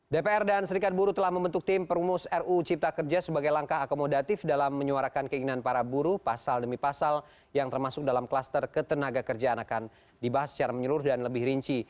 dpr dan serikat buruh telah membentuk tim perumus ruu cipta kerja sebagai langkah akomodatif dalam menyuarakan keinginan para buruh pasal demi pasal yang termasuk dalam kluster ketenaga kerjaan akan dibahas secara menyeluruh dan lebih rinci